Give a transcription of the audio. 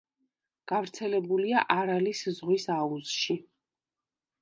გავრცელებულია არალის ზღვის აუზში.